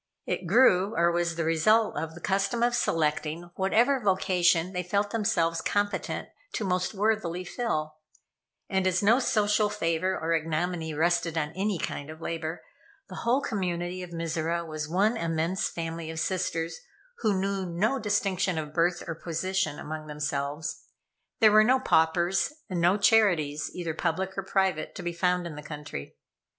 It grew, or was the result of the custom of selecting whatever vocation they felt themselves competent to most worthily fill, and as no social favor or ignominy rested on any kind of labor, the whole community of Mizora was one immense family of sisters who knew no distinction of birth or position among themselves. There were no paupers and no charities, either public or private, to be found in the country.